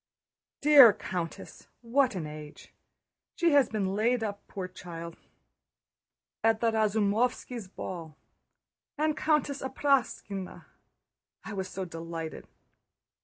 "Dear Countess, what an age... She has been laid up, poor child ... at the Razumóvski's ball ... and Countess Apráksina ... I was so delighted..."